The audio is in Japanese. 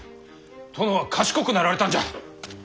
殿は賢くなられたんじゃ。